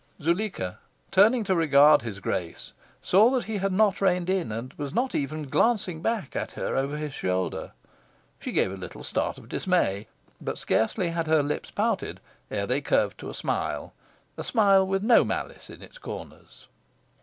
Zuleika, turning to regard his Grace, saw that he had not reined in and was not even glancing back at her over his shoulder. She gave a little start of dismay, but scarcely had her lips pouted ere they curved to a smile a smile with no malice in its corners.